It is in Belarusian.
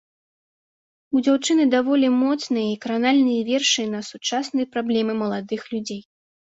У дзяўчыны даволі моцныя і кранальныя вершы на сучасныя праблемы маладых людзей.